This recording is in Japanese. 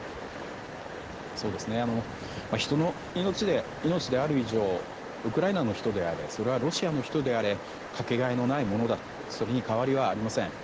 人の命である以上ウクライナの人であれそれはロシアの人であれかけがえのないものだとそれに変わりはありません。